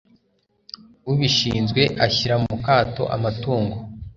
ubishinzwe ashyira mu kato amatungo